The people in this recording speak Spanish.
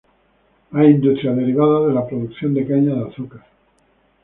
Hay industrias derivadas de la producción de caña de azúcar.